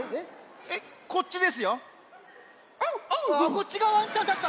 こっちがワンちゃんだった！